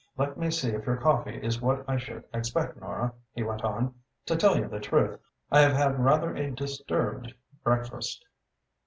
Let me see if your coffee is what I should expect, Nora," he went on. "To tell you the truth, I have had rather a disturbed breakfast."